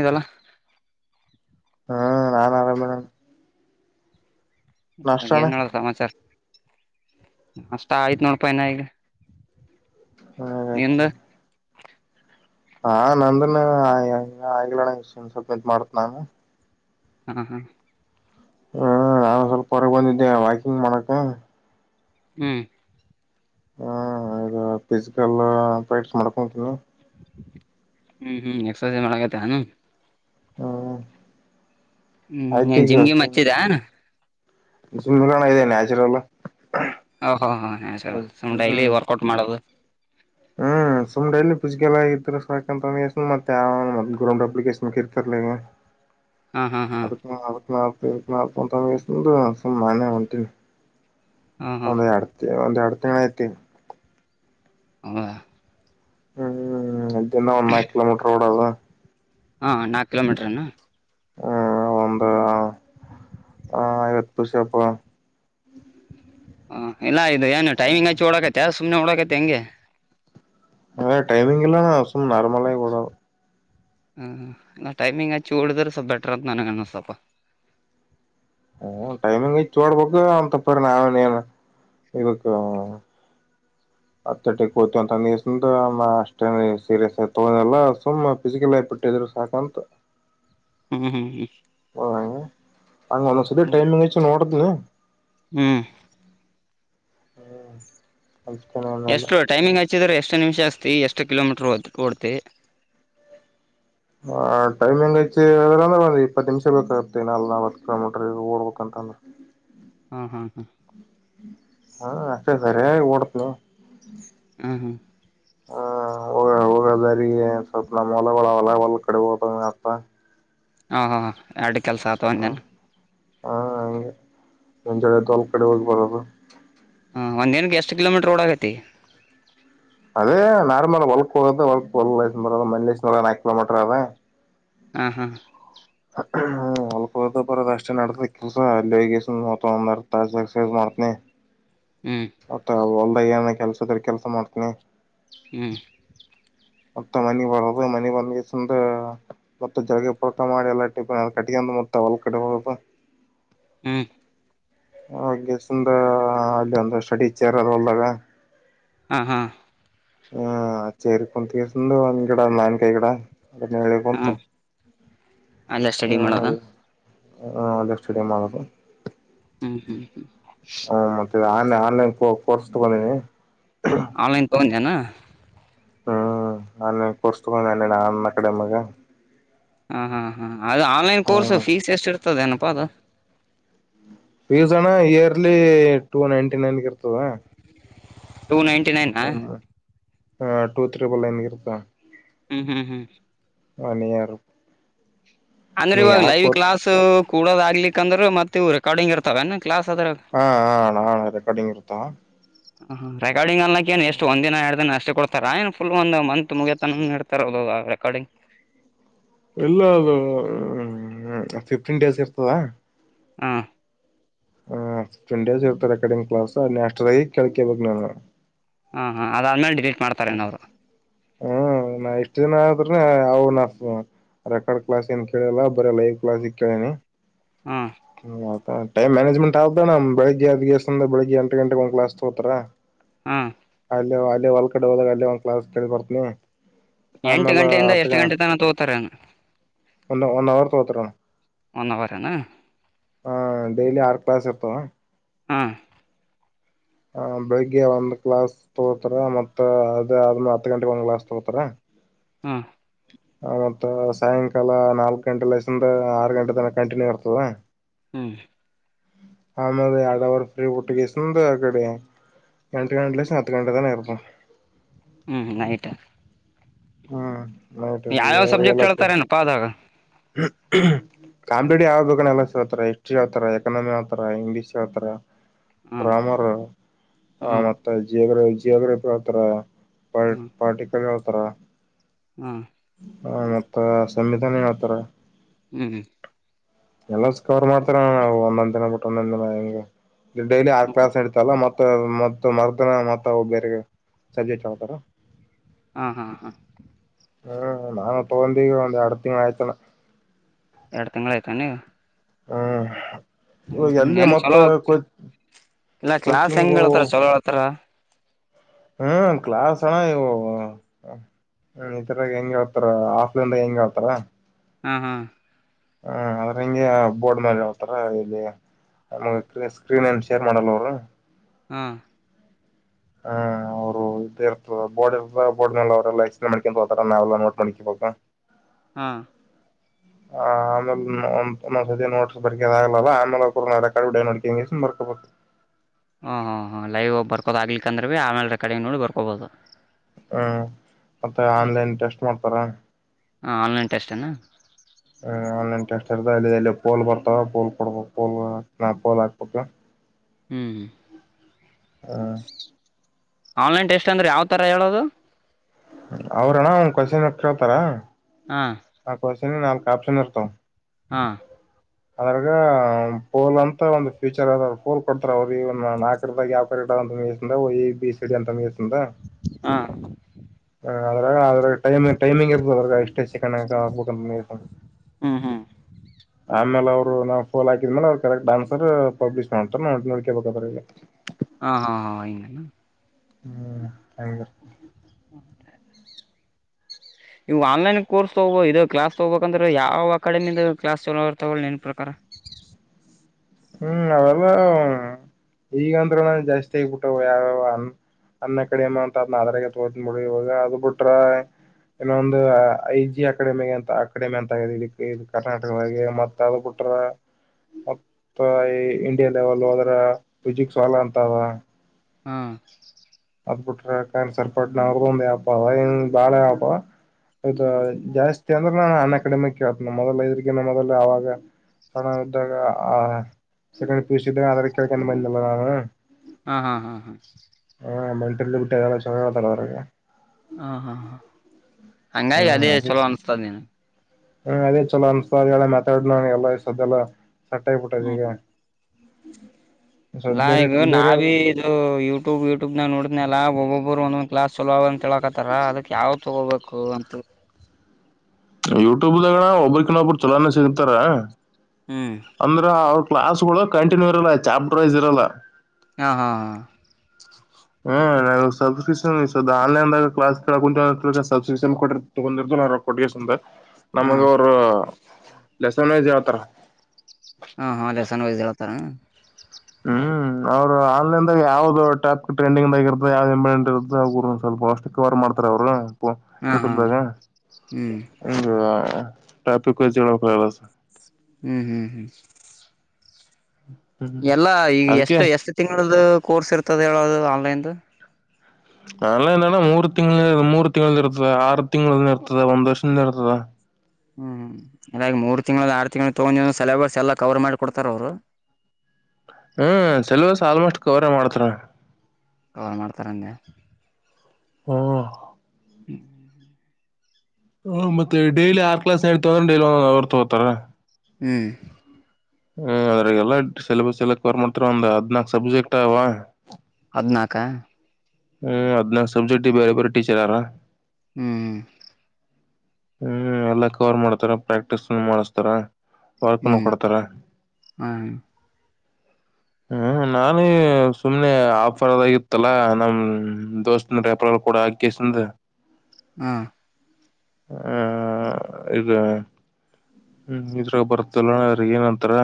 ಇದಲ್ಲ ಹ್ಮ ನಾನು ಆರಾಮ ಇದಿನಿ ಏನ್ ಹೇಳು ಸಮಾಚಾರ ಅಷ್ಟ ಆಯ್ತ್ ನೋಡಪ್ಪ ಇನ್ನ ಈಗ ಹಾಗತ ನಿಂದ ಹಾ ನಂದನ್ ಆಗಿಲ್ಲ ಅಣ್ಣ ಇನ್ನ ಸ್ವಲ್ಪ ಒತ್ತು ನಿಂತು ಮಾಡ್ತೀನಿ ನಾನು ಹ್ಮ ಹಾ ಹ್ಮ ನಾನ ಸ್ವಲ್ಪ ಹೊರಗೆ ಬಂದಿದ್ದೆ ವಾಕಿಂಗ್ ಮಾಡಕ ಹ್ಮ್ ಹ್ಮ ಫಿಸಿಕಲ್ ಪ್ರಾಕ್ಟೀಸ್ ಮಾಡ್ಕೊಂತೀನಿ ಹ್ಮ್ ಹ್ಮ್ ಎಕ್ಸಸೈಜ್ ಮಾಡಕತ್ತ ಹಾನು ಹ್ಮ ಹ್ಮ್ ಏನ್ ಜಿಮ್ಗೆಿಮ್ ಹಚ್ಚಿದ ಸುಂದ್ರಾನ ಇದೆ ನ್ಯಚುರಲ್ ಓ ಹ ಹ ಹ ಸರ್ ಸು್ ಡೈಲಿ ವರ್ಕೌಟ್ ಮಾಡೋದು ಹ್ಮ್ ಸುಮ್ನೆ ಇಲ್ಲಿ ಪುಜಿಗೆಲ್ಲಗ ಸಾಕಂತ ಮತ್ತ ಗ್ರಮ್ ಅಪ್ಲಿಕೇಶನ್ ಇರ್ತರ್ಗ ಹಾ ಹಾ ಹಾ ಅ ಹ ನ ಸಂತ ವಸ್ದ ಅಸಲ್ ಮಾನೆ ಒಂಟ ಹಾ [unintelligible] ಹಾ ಒಂದು ಅಡ್ ಒಂದು ಅಡ್ [unintelligible] ಹತ್ತ ಹ ಹ್ಮ್ ದಿನ್ನ ನಾಲ್ಕು ಕಿಲೋಮೀಟರ್ ಹೂಡೋದು ಹಾ ನಾಕು ಕಿಲೋಮೀಟರ್ನಾ ಹ್ಮ ಒಂದ್ರ ಆ ಇತ್ತುಷಪ ಹ ಎಲ್ಲ ಇದು ಏನು ಟೈಮಿಂಗ್ ಹಚ್ಚ ಓಡಕತ್ತ ಸುಮನೆ ಓಡಾಕತ್ತ ಹೆಂಗೆ ಅ ಟೈಮಿಂಗ್ ಎಲ್ಲ ಸುಮ ನಾರ್ಮಲ ಆಗೀ ಹೋಡೋದು ಹ್ಮಲ್ಲ ಟೈಮಿಂಗ್ ಹಚ್ಚಿ ಡಿದ್ರೆ ಸ್ವಲ್ಪ ಬೆಟರ್ ಅಂತ ನನಗ ಅನ್ಸುತಪ್ಪ ಹ್ಮ ಟೈಮಿಂಗ್ ಹಚ್ಚಿ ಓಡಬೇಕು ಅಂತ ತಪ್ಪರಿ ನಾವೇ ನೀನು ಇವಕ್ಕೆ ಅಟ ತಂತ ಅಮ್ಮ ಅಷ್ಟೇ ಸೀರಿಯಸ್ ಆ ತಗೊಂಡಲ್ಲ ಸುಮ್ ಫಿಸಿಕಲ್ಟ್ಟಿದ್ರು ಸಾಕಂತ ಹ್ಮ್ ಹ್ಮ್ ಹಂಗೆ ಹಂಗ ಒಂದ ಸರಿ ಹ್ಮ್ ಟೈಮಿಂಗ್ ಹಚ್ಚಿ ಒಡ್ತೀನಿ ಲ್ಲ [inaudible] ಹ್ಮ್ ಅತನನ್ನಲ್ಲ ಚ್ಚಿದ್ರ ಎಷ್ಟು ನಿಮಿಷ ಅಸ್ತಿ ಎಷ್ಟು ಕಿಲೋಮೀಟರ್ ಓ ಓಡ್ತಿ ಹ ಟೈಮಿಂಗ್ ಹೆಚ್ಚಿ ಅ ಅಂದ್ರೆ ಒಂದು ಇಪ್ಪತ್ತು ನಿಮಷ ಬೇಕಾಗತ್ತೆ ನಲ್ ನಲ್ವತ್ತು ಕಿಲೋಮೀಟರ್ ಓಡ್ಬೇಕಂತ ಅಂದ್ರೆ ಹ್ಮ ಹ್ಮ್ ಹ್ಮ್ ಹಾ ಅಷ್ಟೆ ಸರಿ ಓಡತ ಹ್ಮ ಹ್ಮ ಹ ಹ ಹೋಗದಾರಿಗೆ ಸ್ವಲ್ಪ ನಮ್ಮ ಹೊಲ ಹೊಲ ಹೊ ಕಡೆ ಹೋದ ಅಂತ ಹ ಹ ಹ ಅಡು ಕೆಲಸ ಆಗ್ತವಾ ನ್ ಹಾ ಹಗೆ ಒಂಜಡೆ ದೋಲ್ ಕಡೆ ಹೋಗಿ ಬರದು ಒಂದ್ೇಏನ್ಗೆ ಎಷ್ಟ್ ಕಿಲೋಮೀಟರ್ ಓಳ ಆಗತಿ ಅದೇ ನಾರ್ಮಲ್ ಹೊಲ್ಕ್ ಹೋದ ಹೊಕ್ ಹೊ ಮ ನಾಕು ಕಿಲೋಮೀಟರ್ ಅದೇ ಹಾ ಹಾ ಹ್ಮ ಹೊಲ್ಪ ಹೊದ ಬರೋದ ಅಷ್ಟೇ ನಡತ ಕೆಲ್ಸ ಅಲ್ಲಿ ಹಗ ಒಂದ ತ ಎಕ್ಸರ್ಸೈಸ್ ಮಾಡ್ತನಿ ಹ್ಮ್ ಅಟಾ ಒ ಬೈಯಾನ ಕೆಲ್ಸದ ಕೆಲಸ ಮಾಡ್ತೀನಿ ಹ್ಮ್ ಮತ್ತೆ ಮನೆಿ ಬರದು ಮನಿ ಬಂದ ಮತ್ತ ಜಳಗೆ ಪುರಟ ಮಾಡಿ ಎಲ್ಲ ಟ ಕಟ್ಟಂದು ಮತ್ತ ಹೊಲ ಕಡೆ ಬರದು ಹ್ಮ್ ಹಾಗೆ ಸುಂದ ಅಲ್ಲಿ ಒಂದಷ್ಟ ಟೀಚರ್ ಅದ ಒಲ್ಲದ ಹಾ ಹಾ ಹ ಚೇರಿ ಕುಂತ ಕೆಸಂದು ಒ್ ಕಡ ನನ್ಕಾಯ ಕಡ ಅದನ್ನ ಹೇಳ ಕುಂತ ಅಲ್ಲ ಸ್ಟಡಿ ಮಾಡೋದ ಹ್ಮ ಅ ಸ್ಟುಡಿಯಮ್ ಆಗದು ಹ್ಮ್ ಹ್ಮ್ ಹ್ಮ್ ಆ ಆನ್ಲೈನ್ ಕೋರ್ಸ್ ತಗೊಂಡೀನಿ. ಆನ್ಲೈನ್ ತೊಗಂದನು. ಹ್ಮ್, ಆನ್ಲೈನ್ ಕೋರ್ಸ್ ತಗಂಡನನ್ನ ಅನ್ ಅಕಾಡೆಮಿಗ. ಹ್ಮು, ಹ್ಮ್, ಅದು ಆನ್ಲೈನ್ ಕೋರ್ಸ್ ಫೀಸ್ ಎಷ್ಟು ಎಷ್ಟಿ. ಇತದನುಪ್ಪದ [unintelligible] ಫೀಸ್ಅಣ್ಣಇಯರ್ಲಿ ಟೂ ನೈನ್ಟಿನೈನ್ಗೆ ಇರ್ತದ. -ಟೂ ನೈನ್ಟಿ ನೈನ್ನಾ, ಹ ಟೂ ತ್ರೀಬಲ್ನ್ರುತ್ತ [unintelligible] ಹ್ಮ್ ಹ್ಮ್ ಒನ ಯಿರ. ಅಂದ್ರೆ ಇವಾಗಲೈವ್ಕ್ಲಾಸ್, ಕೂಡದಾಗಗ್ಲಿಕಂದ್ರ ಮತ್ತು ಇವು ರೆಕಾರ್ಡಿಂಗ್ ಇರ್ತವನ. ಹಾ ನಾನ್ ರೆಕಾರ್ಡಿಿಂಗ್ ಇರ್ತವ. ಹ ಹ [inaudible] -ರೆಕಾರ್ಡಿಂಗ ಅನ್ಲ್ಲಕ್ಕ ಏ ಎಷ್ಟ ಒಂದ ದಿನ ಎರಡ ದಿನ ಅಷ್ಟ- ಕೊಡ್ತಾರ ಏನ್ ಫುಲ್ ಒಂದಂದು ಮಂತ್ ಮುಗತನ ಇಡ್ತಾರ ರೆಕಾರ್ಡಿಂಗ್. ಇಲ್ಲ ಅದು ಫಿಫ್ಟೀನ್ ಡೇಸ್ ಇರ್ತದ. ಹ, ಹ ನ್ ಡೇಸ್ ಇರ್ತಾರೆ ರೆ ಕಡಿಂಗ್ ಕ್ಲಾಸ್ ನನ್ಯಸ್ಟ ಆಗಿ ಕೇಕ ಬ ನಾನು [unintelligible] ಹಾ, ಹಾ, ಅದಾದ್ಮೇಲೆ. ಡಿಲೀಟ್ ಹ, ಮಾಡ್ತಾರೇನ ಅವರು ಹ್ಮ್, ನಾ ಇಷ್ಟು ದಿನ. ಅವ ನ ರೆಕಾರ್ಡ್ ಕ್ಲಾಸ್ ಏನ್ ಕೇಳಲ್ಲ ಬರೆ ಲೈವ್ ಕ್ಲಾಸ್ ಕೇಳಿನಿ. ಹಾ ಹ [inaudible] ಟೈಮ್ ಮಾನೇಜ್ಮೆಂಟ ಆಗಬೆಕಲ. ಬೆಳಗ್ಗೆದ್ಗೆಸ್ಂದ ಬೆಳಗ್ಗೆ ಎಂಟ ಗಂಟೆಗೆ ಒಂದ ಕ್ಲಾಸ್ ತಗೋತಾರ. ಹ್ಮ್, [inaudible] ಕಡೆ ಹೋದಾಗ ಅಲ್ಲಿ ಒಂದು ಕ್ಲಾಸ್ ತಿ ಕೊತನಿ [unintelligible] ಎಂಟು ಗಂಟೆಯಿಂದ ಎಷ್ಟು ಗಂಟೆ ತನ ತಗೋತಾರಿ ಅಣ್ಣ. ಒಂದು ಒನ್ ಅವರ್ ತೋಗತ್ರಣ. ಒಂದ ಅವರೇನಾ,,, ಹ ಡೇಯ್ಲಿ ಆರು ಕ್ಲಾಸ್ ಇರ್ತವ. ಹ್ಮ್,, ಹ ಬೆಳಿಗ್ಗೆ ಒಂದ್ ಗ್ಲಾಸ್ ತೊಗೋತಾರ. ಮತ್ತ ಅದ ಆದ್ಮ ಹತ್ ಗಂಟೆಗೆ ಒಂದ್ ಗ್ಲಾಸ್ ತಗೋತಾರ. ಹಾ [inaudible] ಆ ಮತ್ತ ಸಾಯಂಕಾಲ ನಾಲ್ಕ ಗಂಟೆ ಲೆಸಿಂದ ಆರ್ ಗಂಟೆ ತನ ಕಂಟಿನ್ಯೂ ಇರ್ತದ. ಹ್ಮ್,, ಆಮೇಲೆ ಎರಡು ಅವರ್ ಪ್ರಿ ಪುಟ್ಟುಗೆಸಿಂದ. ಅಕಡೆ ಎಂಟ ಗಂಟೆ ಲೇಸಿಂದಹತ್ತು ಗಂಟೆ ತಾನ ಇರ್ತದ. ಹ್ಮ್, ಹ್ಮ್ಯತಾ. ಹ್ಮ್, ನೈಟ್ ಯಾವ್ಯಾವ್ ಸಬ್ಜೆಕ್ಟ್ ಹೇಳ್ತಾರಏನಪ್ಪ ಆದ್ರಗ. ಕಾಂಪ್ಯೂಟರ್ ಯಾವಬೇಕ ಎಲ್ಲತರ ಹಿಸ್ಟ್ರಿ ಅವಾವತಾರ ಎಕನಾಮಿ ಅವತರ ಇಂಗ್ಲೀಷ್ ಯಾವತಾರ [unintelligible] ಹಾಂ ರಾಮರ ಆ ಹ್ಞೂ ಮತ್ತೆ ಜರ ಜಿಯೋಗ್ರಫಿ ಹತ್ರರ ಪ ಪಾರ್ಟಿಕ ವ್ಯಸ್ ಮಾತ್ರರ ಹಾ ಹ ಮತ್ತೆ ಸಮಿತನ ತ್ರ ಹ್ಮ್್ಮ ಎಲ್ಲ ಸ್ಕೋರ್ ಮಾಡ್ತಾರ ನಾವು ಒಂದೊಂದ್ ದಿನ ಬಿಟ್ಟು ಒಂದೊಂದ್ ದಿನ ಹೆಂಗೆ ಡೈಲಿ ಆ ಹ್ಞೂ ಕ್ಲಾಸ್ ನಡತಲ್ಲ ಮತ್ತೆ ಮ ಮ ಮರ್ದನ ಮ ಬೇರೆ ಸಜಜೆಟ್ ಹತಾರ ಹಾ ಹಾ ಹಾ ಹ್ಮ್ ನವು ತೊಗಂದೀ ಒಂದು ಅತಂಗ ಆಯಚನ ಎರಡು ತಿಂಗ್ಳು ಹ್ಮ್ ಇವಾಗ ಹ್ಮ ಎಲ್ಲಿ ಏನ್ ಮತ್ತ ಚಲೋ ಕೋ ಹೋಗ ಇಲ್ಲ ಕ್ಲಾಸ್ ಹೆಂಗ್ ಕೋಚಿಂಗು ಹಳ್ತಾರ ಚಲೋ ಹೇಳ್ತಾರ ಹ್ಮ್ ಕ್ಲಾಸ್ಣ ಇವು ಈತರಾಗ ಹೆಂಗ ಆತಾರ ಆಫ್ಲೈನ್ಾಗ ಹೆಂಗ ಆತಾರ ಹಾ ಹಾ ಹ ಆದದ್ರ ಹಿಂಗೆ ಬೋರ್ಡ್ ಮೇಲೆ ಹತಾರ ಇಲ್ಲಿ ನಮಗ್ರ ಸ್ಕ್ರೀನ್ ಏನ್ ಶೇರ್ ಮಾಡಲ್ಲ ಅವರು ಹ್ಮ ಹ್ಮ್ ಅವರು ಇದ ಇರ್ತದ ಬೋರ್ಡ್ ಇರ್ತ ಬೋರ್ಡ್ ಮ ಅವ್ರಲ್ಲ ಎಕ್ಸ್ಪ್ಲಂಡ್ ಮಾಡ್ಕಂತ ಹತಾರ ನಾವೆಲ್ಲಾ ನೋಟ್ ಮಾಡಕಿಬ ಹಾ ಹ ಆಮೇಲೆ ಒಂದ್ಸ ಸತಿ ನೋಡ್ ಬರ್ಕದ ಆಾಗಲಲ್ಲ ಆಮೇಲೆ ಕಡೆ ನಡ್ಕ ಬರ್ಕೊಬು ಹ್ಮ್ ಹ್ ಹ್ ಲೈವ್ ಬರ್ಕೋದು ಆಗ್ಲಿ ಅಂದ್ರೆ ಭ ಆಮೇಲೆ ರೆಕಾರ್ಡಿಂಗ್ ನೋಡಿ ಬರ್ಕೋಬಹದು ಹಾ ಮತ್ತ ಆನ್ಲೈನ್ಟೆಸ್ಟ್ ಮಾಡತಾರೆ ಸರ ಹ ಆನ್ಲೈನ್ ಟೆಸ್ಟ್ನಾ ಲ್ಲಿ ಪೋಲ್ ಬರ್ತಾವ ಪೋಲ್ ಕೊಡಬ ಪೋಲ್ ನಾ ಪೋಲ್ ಹಾಕ್ಬೇಕ ಹ್ಮ್ ಹ್ಮ ಹ ಆನ್ಲೈನ್ ಟೆಸ್ಟ್ ಅಂದ್ರೆ ಯಾವ ತರ ಹೇಳೋದು ಅವ್ರಣ್ಣ ಅವ ಕಸಿನ ಕೇಳ್ತಾರ ಹಾ ಆ ಕ್ವನ್ ನಾಲ್ಕು ಆಪ್ಷನ್ ಇರ್ತ್ ಹಾ ಅದ್ರಾಗ ಪೋಲ್ ಅಂತ ಒಂದು್ಫ್ಯೂಚರ್ ಅದ ಪೋಲ್ ಕೊಡ್ತಾರ ಅವ್ರ ನಾಲ್ಕ ಯಾವಕ ಮ ಬಿ ಸಿಡಿ ಅಂತ ಮೀ ಹಾ ಅ ಟೈಮಿಂಗ್ ಟೈಮಿಂಗ್ ಇರ್ಬೋದ್ರ ಎಷ್ಟೇ ಚೆಕಂಡ ಆಗ ಆಗ್ಬೋದುಂದ ಹ್ಞೂ ಹ್ಞೂ ಆಮೇಲೆ ಅವರು ನಾವವು ಫೋಲ್ ಹಕಿದ ಮೇಲೆ ಅವ್ರರು ಕರೆಕ್ಟ್ ಆನ್ಸರ್ ಪಬ್ಲಿ್ ಮಾಡ್ತಾರ ನೋ ನೋಡ್ಕೇಬೇಕದ್ರ ಈಗ ಹ ಹಾ ಹ ಇನು ಹ್ಮ್ ಹಾಗರ್ತ ಇವು ಆನ್ಲೈನ್ ಕೋರ್ಸ್ ತಗ ಇ ಕ್ಲಾಸ್ ತಗೋಬೇಕಂದ್ರೆ ಯಾವ್ ಅಕಾಡೆಮಿ ಕ್ಲಾಸ್ ಚಲೋರ್ತ ನನ್ ಪ್ರಕಾರ ಹು ಅವೆಲ್ಲ ಈಗಂದ್ರ ನ ಜಾಸ್ತಿ ಆಗ್ಬಿಟ್ಟ ಯಾವ್ಯಾವ ಅ ಅನ್ ಅಕಾಡೆಮಿ ಅಂತ ಅದ್ ಅದ್ರಾಗ ತೋತಬಿಡ ಇವಾಗ ಅದ್ ಬಿಟ್ರ ಇನ್ನೊಂದು ಐ ಜಿ ಅಕಾಡೆಮಿ ಅಂತ ಅಕಾಡೆಮಿ ಅಂತ ಆ ಇ ಕರ್ನಾಟಕದಾಗ ಮತ್ತ ಅದ ಬಿಟ್ರ. ಇಂಡಿಯಾ ಲೆವೆಲ್ ಹೋದ್ರ ಫಿಜಿಕ್ಸ್ ಹೊಲ ಅಂತದ. ಹಾ ಅದ್ಬಿಟ್ರೆ ಕ್ಯಾನ್ಸರ್ ಪಟ್ಟ ಒಂದು ಆಪ್ ಅದ ಹ ಬಾಳ ಆಪ್. ಹೌದ ಹ್ಮ್ ಜಾಸ್ತಿ ಅಂದ್ರೆ ನಾನು ಅನ್ನ ಅಕಡೆಮಿ ಕೇಳ್ತ ಮೊದಲ ಇದ್ರ ಮೊದ ಅವಾಗ ಸಣ ಇದ್ದಾಗ ಸೆಕಂಡ್ ಪಿಯುಸಿ ಇದಾಗ ಅದ ಕೇಳ್ಕೊಂಡು ಬಂದಿಲ್ಲ ನಾನು. ಹಾ ಹಾ ಹಾ ಹ ಮೆಂಟೇನ್ಗಿಂಟೇನ್ ಚನ್ನಾಗಿ ಅದರ ಅದರಾಗ್ ಹಾ ಹಾ ಹಾ ಹಂಗಾಗಿ ಅದೇ ಚೊಲೋ ಅನಿಸ್ತದೆ ನೀನು ಹ ಅದೇ ಚಲೋ ಅನಿಸ್ತ ಪಾ ಮಾತಾಡ ನ ಎಲ್ಲ ಸಾಕಲ್ಲ ಸಟ್ಟಾಗಿ ಬಿಟ್ಟೇತಿ ಈಗ ಸದ್ ನಾ ಬೇರೆ ಈಗ ನಾ ಬೇರೆ ಬಿ ಇದು ಯೂಟ್ಯೂಬ್ ಗ್ಯೆ ಟ್ಯೂಬ್ ನ ನೋಡ ಲ್ಲಾ ಒಬ್ಬೊಬ್ರು ಒಂದೊಂದ್ ಕ್ಲಾಸ್ ಚೊಲೊವು ಅಂತ ಹೇಳಾಕತ್ತಾರ ಅದಕ್ ಯಾವ್ ತಗೋಬೇಕು ಅಂತ ಹೇಳಿ ಯೂಟ್ಯೂಬ್ಗಣ ಒಬ್ಬ್ರಕಿನ್ನೊಬ್ಬರು ಚುಲೋನ ಸಿಗ್ತಾರ. ಹ್ಮ್ ಅಂದ್ರೆ ಅವ. ಕ್ಲಾಸ್ಗಳು ಕಂಟಿನ್ಯೂ ಇರಲ್ಲ ಚಾಪ್ಟರ್ ವೈಸ್ ಇರಲ್ಲ. ಹಾ ಹಾ ಹಾ ಹು ನಾನ ಸಬ್ಸ್ಕ್ರಿಪ್ಷನ್ ಆನ್ಲೈನ್ದಾಗ ಕ್ಲಾಸ್ ಕೆಳಕಂತ್ರ ಸಾಬ್ಸ್ಕ್ರೈಸ್ಪೆನ್ ಕೊಟ್ಟ ತಗೊಂಡಿರ್ ಮುಂದ ಹಾ ನಮಗ ಅವರು ಲೆಸೆನ್ ವೈಜ್ ಹೇಳತಾರ್ ಹಾ ಹಾ ಲೇಸನ್ ವೈಜ್ ಹೇಳ್ತಾರನ. ಹು ಅವ್ರು ಆನ್ಲೈನ್ದಾಗ ಯಾವ್ದ ಟಾಪ್ ಟ್ರೆಂಡಿಂಗ್ಗಿರುತ್ತ ಯಾವ್ದ ಇಂಡಟ್ ಇರುತ್ತ ಅವ ಸ್ವಲ್ಪ ವಔಷ್ಟಕ್ಕೆ ವಾರರ್ ಮಾಡ್ತಾರ ಅವರು. ಹಾ ಹಾ ಯೌಟ್ಯೂಬ್ ದಾಗ ಹ್ಮ್ ಹು ಆಯ್ತು ಟಾಪಿಕ್ ವೈಜ ಹೇಳಬೇಕಲ್ಲ ಕ್ಲಾಸ್ ಹು ಹು ಹು ಹ್ಮ್ ಎಲ್ಲಾ ಈಗ ಅದಕ್ಕೆ ಎಷ್ಟು ಎಷ್ಟು ತಿಂಗಳ್ದ ಕೋರ್ಸ್ ಇರ್ತದೆ ಹೇಳೋದು ಆನ್ಲೈನ್ದು. ಆನ್ಲೈನ್ಣ ಮೂರು ತಿಂಗಳ ಮೂರು ತಿಂಗಳ ಇರ್ತದೆ ಆರು ತಿಂಗಳನ ಇರ್ತದೆ ಒಂದ್ ವರ್ಷಿಂದ ಇರ್ತದೆ. ಹು ಹಾಗದಾಗಿ ಮೂರು ತಿಂಗಳ ಆರು ತಿಂಗಳು ತಗೊಂಡ ಸೆಲೇಬಸ್ ಎಲ್ಲಾ ಕವರ್ ಮಾಡಿ ಕೊಡ್ತಾರ ಅವ್ರು ಹು ಸೆಲೆಬಸ್ ಆಲ್ಮೋಸ್ಟ್ ಕವರ್ ಮಾಡತ್ರ ಕವರ್ ಮಾಡ್ತಾರಂದ. ಓ ಹ ಮತ್ತೆ ಡೈಲಿ ಆರ್ ಕ್ಲಾಸ್ ಹೇಳ್ತ ಅಂದ್ರೆ ಡೈಲಿ ಒಂದ ಅವರ್ ತಗೋತಾರ. ಹು ಹ ಅದ್ರಾಗ ಎಲ್ಲ ಸಿಲೆಬಸ್ ಎಲ್ಲ ಕವರ್ ಮಾಡ್ತಾರೆ ಒಂದ್ ಹದ್ನಾಕ್ ಸಬ್ಜೆಕ್ಟ್ ಅವಾ. ದ್ನಾಕ ಹು ಹಾದ್ನಕ್ ಸಬ್ಜೆಕ್ಟ್ ಗೆ ಬೇರೆ ಬೇರೆ ಟೀಚರ್ ಅದರ. ಹು ಹು ಎಲ್ಲಾ ಕವರ್ ಮಾಡ್ತಾರ ಪ್ರಾಕ್ಟೀಸ್ ಮಾಡಸ್ತಾರ. ವಾಕಾಮನ್ ಹ್ಮ್ ಕೊಡ್ತಾರ. ಹ ಹ್ಮ ನಾನೇ ಸುಮ್ನೆ ಆಫರ್ ಅದಾಗಿತ್ತಲ್ಲಾ ನಮ್ ದೋಸ್ತನ್ ರೆಪ್ರಲ್ ಕೂಡ ಅಕ್ಕಿಸಿಂದು ಹಾ ಆ ಇದ ಹ್ಮ್ ಇದ್ರಾಗ ಬರ್ತಲ್ಲಣ್ಣಾರೆ ಏನಂತಾರ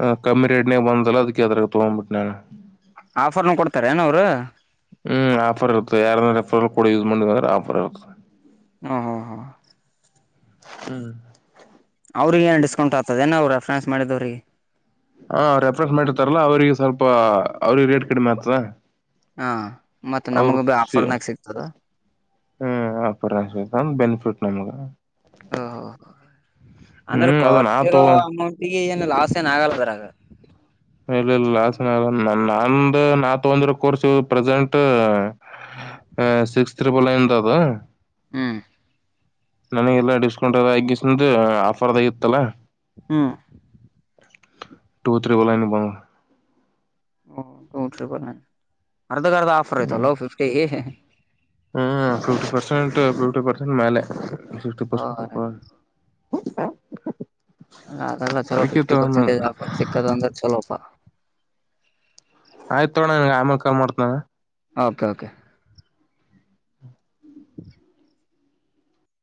ಹ ಕಮ್ಮಿ ರೇಟ್ನೇ ಬಂದಲ್ಲ ಅದಕ್ಕೆ ಅದ್ರಾಗ್ ತಗೊಂಬಿಟ್ಟೆ ನಾ ಆಫರ್ನ ಕೊಡ್ತಾರ ಏನ ಅವರು? ಹ್ಮ್ ಆಫರ್ ಇರುತ್ತೆ ಯಾರ ರೆಫರ್ಲ್ ಕೊಡ್ ಯೂಸ್ ಮಾಡಿದ್ರ ಅಂದ್ರ ಆಫರ್ ಇರುತ್ತೆ. ಹು ಹು ಹಾ. ಹ್ಮ್ ಅವ್ರಿಗೆ ಏ ಡಿಸ್ಕೌಂಟ್ ಆತ್ತದೇನ ಅವ್ರ ಫ್ರಾನ್ಸ್ ಮಾಡಿದವ್ರಿಗೆ. ಹಾ ರೆಫ್ರನ್ಸ್ ಮಾಡಿರ್ತಾರಲ್ಲಾ ಅವ್ರಿಗೆ ಸ್ವಲ್ಪ ಅವ್ರಿಗೆ ರೇಟ್ ಕಡಿಮೆ ಆಗ್ತದ. ಹಾ ಮತ್ತ ಅವ್ರ ನಮಗ ಬಿ ಖುಷಿ. ಆಫರ್ನಗ್ ಸಿಗ್ತದ. ಹ್ಮ್ ಅಪರ [unintelligible] ಬೆನಿಫಿಟ್ ನಮಗ ಓಹೋ ಅಂದ್ರ ಹ್ಮ್ ಅದ ನಾ ಕಟ್ಟಿರೋ ತಗೋ ಅಮೌಂಟಿ ಗೆ ಏನು ಲಾಸ್ ಏನ್ ಆಗಲ್ಲದರಾಗ? ಇಲ್ ಇಲ್ಲ ಲಾಸ್ ಏನ್ ಆಗಲ್ಲ ನ ನಂದ ನಾ ತಗೊಂದಿರ ಕೋರ್ಸ ಪ್ರೆಸೆಂಟ್ ಸಿಕ್ಸ್ ತ್ರಿಬಲ್ ನೈನ್ ಅದ. ಹ್ಮ್ ನನಗೆಲ್ಲಾ ಡಿಸ್ಕೌಂಟ್ ಎದ ಎಗ್ಗಿಸದು ಆಫರ್ ದಾಗ್ ಇತ್ತಲ್ಲ ಹ್ಮ ಟೂ ತ್ರಿಬಲ್ ನೈನು ಬಂದ. ಓಹ್ ಟು ತ್ರಿಬಲ್ ನೈನ್ ಅರ್ಧಕ್ ಅರ್ಧ ಆಫರ್ ಐತಲ್ಲೋ ಫಿಫ್ಟಿ. ಹ್ಮ್ ಫಿಫ್ಟಿ ಪರ್ಸೆಂಟ್ ಫಿಫ್ಟಿ ಪರ್ಸೆಂಟ್ ಮೇಲೆ. ಸಿಕ್ಸ್ಟಿ ಪಾರ್ಸೆಂಟಪ್ಪಾ [unintelligible] ಅದೆಲ್ಲ ಚಲೋ ಫಿಫ್ಟಿ ಪರ್ಸೆಂಟೇಜ್ ಆಫರ್ ಸಿಕ್ಕದ ಅಂದ್ರೆ ಚಲೋಪ. ಆಯ್ತು ತಗೋಣ ನಿಂಗ್ ಆಮೇಲ್ ಕಲ್ ಮಾಡ್ತನ. Okay okay [inaudible]